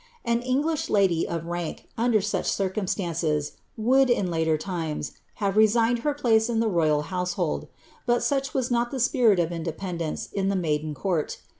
An Eiij^li^li ladv of rank, uiiiIit such circumrisiiiis would, in laier limes, have resigned her place in the royal hoosthold; but such was noi ihe spirit of independence in Ihe maiden court.